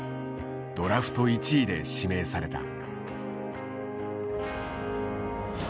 ドラフト１位で指名された。